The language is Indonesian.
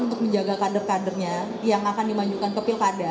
untuk menjaga kader kadernya yang akan dimajukan ke pilkada